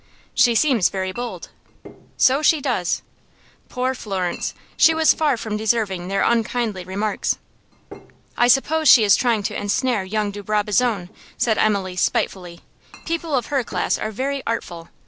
"She seems very bold." "So she does." Poor Florence! She was far from deserving their unkindly remarks. "I suppose she is trying to ensnare young de Brabazon," said Emily, spitefully. "People of her class are very artful.